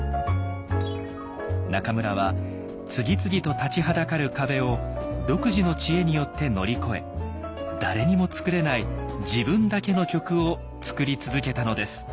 中村は次々と立ちはだかる壁を独自の知恵によって乗り越え誰にも作れない自分だけの曲を作り続けたのです。